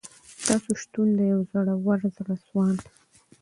تاسو شتون د یوه زړور، زړه سواند